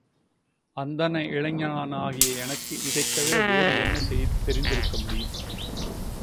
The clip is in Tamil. அந்தண இளைஞனாகிய எனக்கு இதனைத் தவிர வேறு என்ன தெரிந்திருக்க முடியும்?